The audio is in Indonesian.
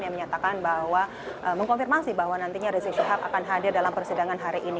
yang menyatakan bahwa mengkonfirmasi bahwa nantinya rizik syihab akan hadir dalam persidangan hari ini